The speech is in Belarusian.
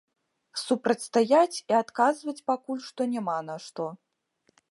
Супрацьстаяць і адказваць пакуль што няма на што.